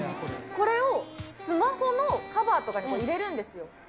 これをスマホのカバーとかに入れる？